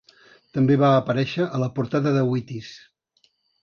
També va aparèixer a la portada de Wheaties.